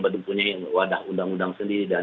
mempunyai wadah undang undang sendiri dan